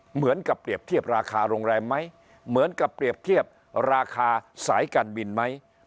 เหมือนกับเปรียบเทียบราคาโรงแรมไหมเหมือนกับเปรียบเทียบราคาสายการบินไหม